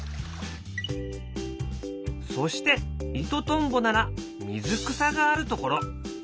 そしてイトトンボなら水草があるところ。